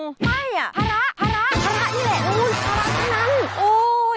ไม่ภาระภาระภาระนี่แหละนั่นภาระนั้น